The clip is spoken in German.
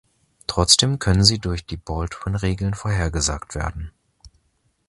Trotzdem können sie durch die Baldwin-Regeln vorhergesagt werden.